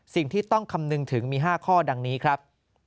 สิ่งที่ต้องคำนึงถึงมี๕ข้อดังนี้ครับ